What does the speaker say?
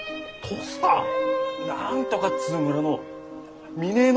何とかっつう村の峰乃